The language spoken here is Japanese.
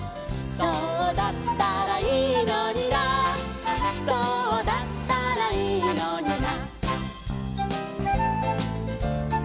「そうだったらいいのになそうだったらいいのにな」